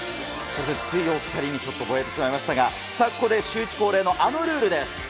熱いお２人にちょっとぼやいてしまいましたが、さあ、ここでシューイチ恒例のあのルールです。